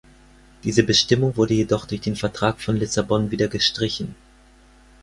Diese Bestimmung wurde jedoch durch den Vertrag von Lissabon wieder gestrichen.